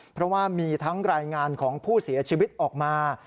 เพราะว่ามีทั้งรายงานของผู้เสียชีวิตออกมา